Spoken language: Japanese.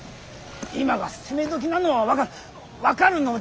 今が攻め時なのは分かる。